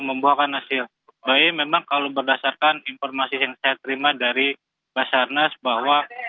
membuahkan hasil baik memang kalau berdasarkan informasi yang saya terima dari basarnas bahwa